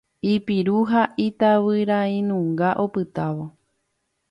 Ipiru ha itavyrainunga opytávo.